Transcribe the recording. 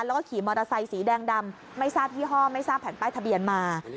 แล้วก็ขี่มอเตอร์ไซค์สีแดงดำไม่ทราบยี่ห้อไม่ทราบแผ่นป้ายทะเบียนมา